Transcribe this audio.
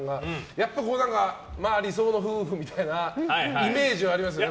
やっぱり理想の夫婦みたいなイメージありますよね。